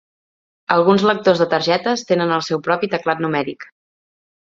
Alguns lectors de targetes tenen el seu propi teclat numèric.